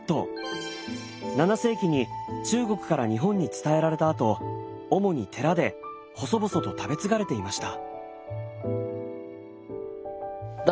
７世紀に中国から日本に伝えられたあと主に寺で細々と食べ継がれていました。